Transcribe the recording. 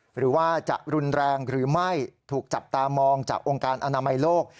หรือว่าจะรุนแรงหรือไม่ถูกจับตามองจากองค์การอนามัยโลก